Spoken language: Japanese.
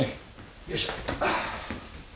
よいしょ。